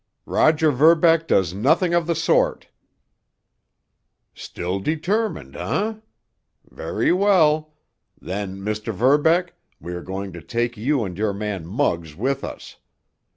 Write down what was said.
"Roger Verbeck does nothing of the sort!" "Still determined, eh? Very well. Then, Mr. Verbeck, we are going to take you and your man Muggs with us.